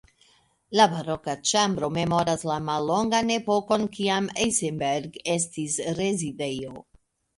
La Baroka ĉambro memoras la mallongan epokon kiam Eisenberg estis rezidejo.